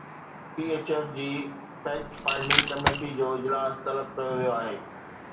P H F جي fact finding committee جو اجلاس طلب ڪيو ويو آهي